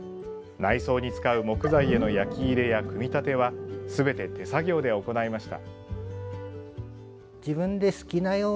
内装に使う木材への焼き入れや組み立ては全て手作業で行いました。